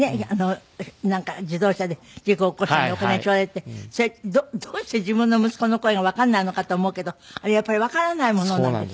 なんか自動車で事故起こしたんでお金頂戴ってそれどうして自分の息子の声がわかんないのかと思うけどあれやっぱりわからないものなんですか？